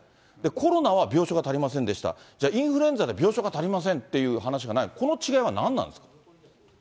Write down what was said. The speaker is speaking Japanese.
コロナは病床が足りませんでした、じゃあインフルエンザで病床が足りませんっていう話はない、この違いは何なんですか？